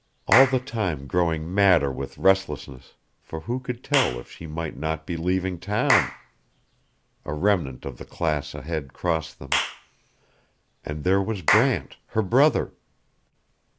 All the time growing madder with restlessness, for who could tell if she might not be leaving town! A remnant of the class ahead crossed them and there was Brant, her brother.